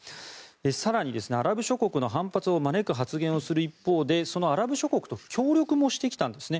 更にアラブ諸国の反発を招く発言をする一方でそのアラブ諸国と協力もしてきたんですね。